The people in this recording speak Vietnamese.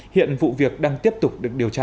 hiện vụ việc đang tiếp tục được điều tra